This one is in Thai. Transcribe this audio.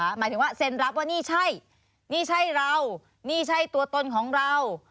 หมายถึงว่าเซ็นรับว่านี่ใช่นี่ใช่เรานี่ใช่ตัวตนของเรา